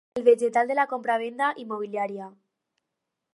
El vegetal de la compra-venda immobiliària.